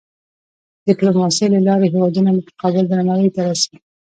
د ډیپلوماسۍ له لارې هېوادونه متقابل درناوی ته رسي.